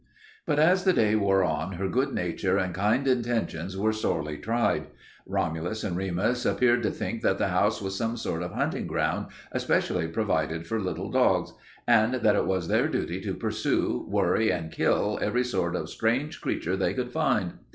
But as the day wore on her good nature and kind intentions were sorely tried. Romulus and Remus appeared to think that the house was some sort of hunting ground especially provided for little dogs, and that it was their duty to pursue, worry, and kill every sort of strange creature they could find.